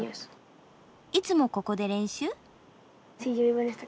いつもここで練習？